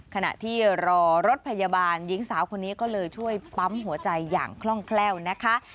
ขณะที่รอรถพยาบาลหญิงสาวคนนี้ก็เลยช่วยปั๊มหัวใจอย่างคล่องแคล่วนะคะ